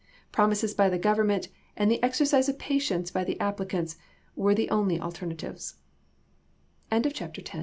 Promises by the Government and the exercise of patience by the applicants were the only alternativ